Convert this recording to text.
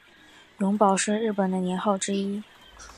永保是日本的年号之一。